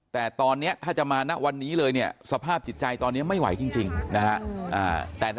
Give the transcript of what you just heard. แต่ตอนนี้ถ้าจะมาณวันนี้เลยเนี่ยสภาพจิตใจตอนนี้ไม่ไหวจริงนะฮะ